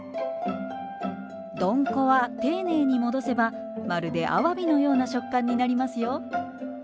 どんこは丁寧に戻せばまるであわびのような食感になりますよ。